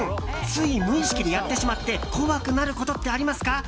つい無意識でやってしまって怖くなることってありますか？